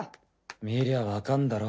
見りゃわかんだろ。